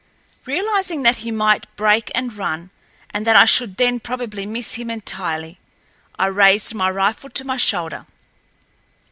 Realizing that he might break and run and that I should then probably miss him entirely, I raised my rifle to my shoulder.